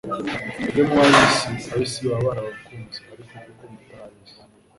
Iyo muba ab'isi, ab'isi baba barabakunze, ariko kuko mutari ab'isi,